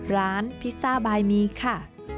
พิซซ่าบายมีค่ะ